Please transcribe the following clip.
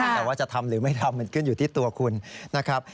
แต่ว่าจะทำหรือไม่ทำมันขึ้นอยู่ที่ตัวคุณนะครับ